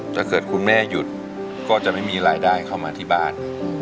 ถ้าเกิดคุณแม่หยุดก็จะไม่มีรายได้เข้ามาที่บ้าน